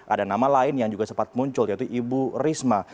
ada nama lain yang juga sempat muncul yaitu ibu risma